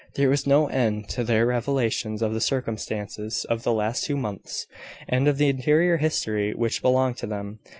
There was no end to their revelations of the circumstances of the last two months, and of the interior history which belonged to them.